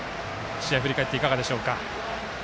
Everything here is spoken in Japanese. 試合振り返っていかがでしょうか？